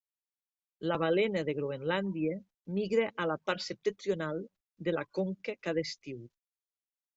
La balena de Groenlàndia migra a la part septentrional de la conca cada estiu.